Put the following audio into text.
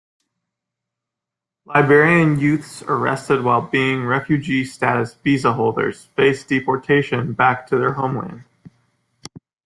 Liberian youths arrested while being refugee-status visa holders face deportation back to their homeland.